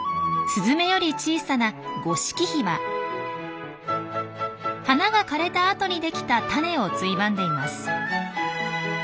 スズメより小さな花が枯れたあとにできた種をついばんでいます。